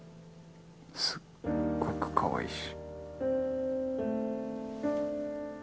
すっごくかわいいし。